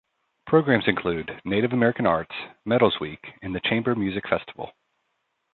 Programs include: Native American Arts, Metals Week and the Chamber Music Festival.